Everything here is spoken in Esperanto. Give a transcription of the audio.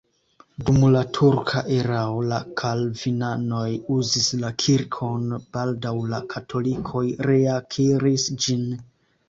Dum la turka erao la kalvinanoj uzis la kirkon, baldaŭ la katolikoj reakiris ĝin.